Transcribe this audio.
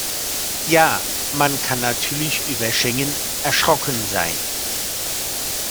Ja, man kann natürlich über Schengen erschrocken sein.